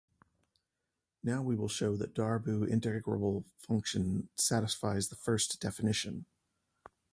Now we will show that a Darboux integrable function satisfies the first definition.